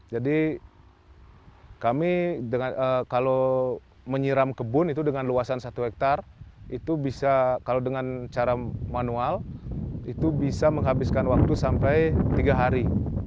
jadi kami kalau menyiram kebun itu dengan luasan satu hektar itu bisa kalau dengan cara manual itu bisa menghabiskan waktu sampai tiga hari